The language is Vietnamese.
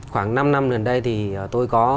khoảng năm năm gần đây thì tôi có